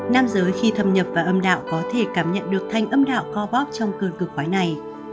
nam giới khi thâm nhập vào âm đạo có thể cảm nhận được thanh âm đạo co bóp trong cơn cực quái này